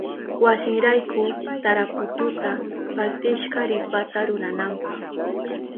Wasinrayku tarapututa partishka ripata rurananpa.